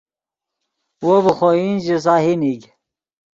وو ڤے خوئن ژے سہی نیگ